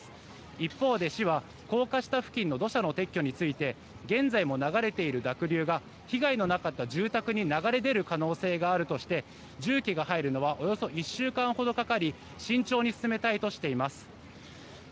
一方で市は高架下付近の土砂の撤去について現在も流れている濁流が被害のなかった住宅に流れ出る可能性があるとして重機が入るのはおよそ１週間ほどかかり慎重に進めたいとしています。